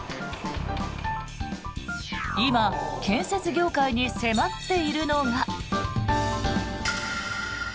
今建設業界に迫っているのが。